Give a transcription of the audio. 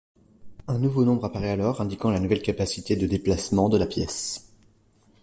Un nouveau nombre apparaît alors, indiquant la nouvelle capacité de déplacement de la pièce.